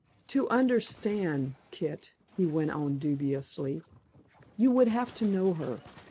"To understand, Kit," he went on dubiously, "you would have to know her.